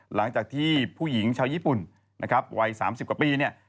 หลังจากที่ผู้หญิงชาวญี่ปุ่นนะครับวัย๓๐กว่าปีเนี่ย